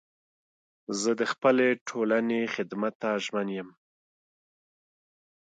زه د خپلي ټولني خدمت ته ژمن یم.